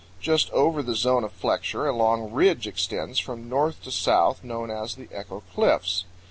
Just over the zone of flexure a long ridge extends from north to south, known as the Echo Cliffs.